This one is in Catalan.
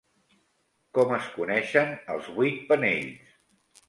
Com es coneixen els vuit panells?